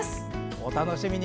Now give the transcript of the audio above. お楽しみに。